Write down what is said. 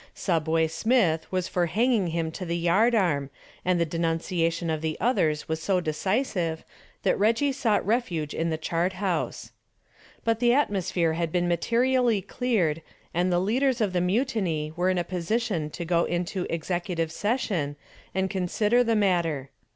"Subway" Smith was for hanging him to the yard arm, and the denunciation of the others was so decisive that Reggie sought refuge in the chart house. But the atmosphere had been materially cleared and the leaders of the mutiny were in a position to go into executive session and consider the matter.